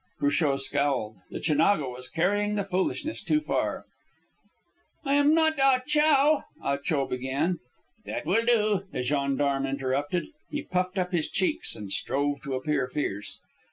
Cruchot scowled. The Chinago was carrying the foolishness too far. "I am not Ah Chow " Ah Cho began. "That will do," the gendarme interrupted. He puffed up his cheeks and strove to appear fierce.